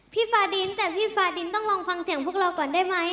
ฟาดินแต่พี่ฟาดินต้องลองฟังเสียงพวกเราก่อนได้ไหม